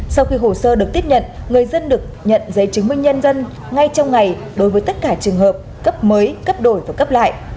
sau khi hồ sơ được tiếp nhận người dân được nhận giấy chứng minh nhân dân ngay trong ngày đối với tất cả trường hợp cấp mới cấp đổi và cấp lại